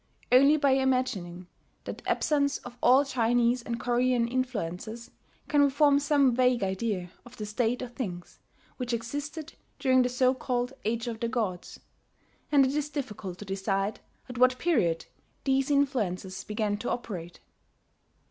Only by imagining the absence of all Chinese and Korean influences, can we form some vague idea of the state of things which existed during the so called Age of the Gods, and it is difficult to decide at what period these influences began to operate.